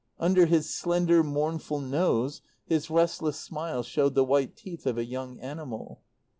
Under his slender, mournful nose his restless smile showed the white teeth of a young animal.